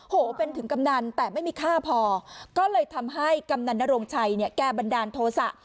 โหเป็นถึงกำนันแต่ไม่มีค่าพอก็เลยทำให้กำนันนโรงชัยเนี่ยแกบันดาลโทษะ